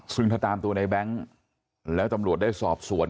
ซึ่งถ้าตามตัวในแบงค์แล้วตำรวจได้สอบสวน